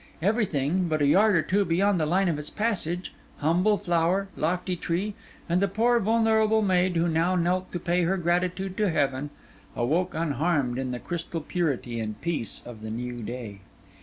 Everything, but a yard or two beyond the line of its passage, humble flower, lofty tree, and the poor vulnerable maid who now knelt to pay her gratitude to heaven, awoke unharmed in the crystal purity and peace of the new day.